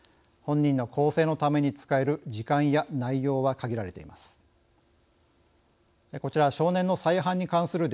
本人の更生のために使える時間や内容は限られています。